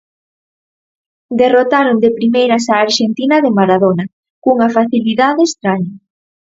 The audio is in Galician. Derrotaron de primeiras a Arxentina de Maradona, cunha facilidade estraña.